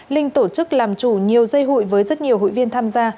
linh tổ chức làm chủ nhiều dây hụi với rất nhiều hội viên tham gia